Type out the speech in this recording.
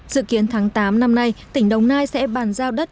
dự kiến tháng tám năm nay tỉnh đồng nai sẽ bàn giao đất